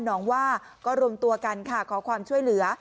น้องว่าก็รวมตัวกันค่ะขอความช่วยเหลือ